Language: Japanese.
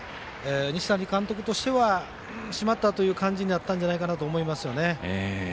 西谷監督としては、しまったという感じになったんじゃないかと思います。